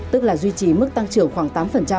tức là duy trì mức tăng trưởng khoảng tám